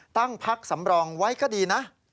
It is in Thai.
ตั้งพักสำรองไว้ก็ดีนะ